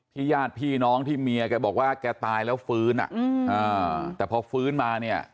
ญาติพี่น้องที่เมียแกบอกว่าแกตายแล้วฟื้นแต่พอฟื้นมาเนี่ย